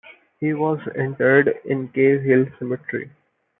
He was interred in Cave Hill Cemetery.